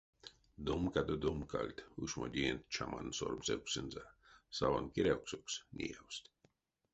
Домкадо домкальть ушмодеенть чамань сормсевксэнзэ — сабан керявксокс неявсть.